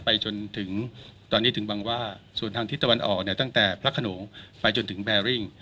จนถึงตอนนี้ถึงบังว่าส่วนทางทิศตะวันออกเนี่ยตั้งแต่พระขนงไปจนถึงแบริ่ง